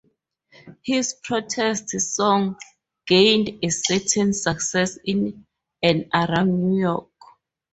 His protest song gained a certain success in and around New York.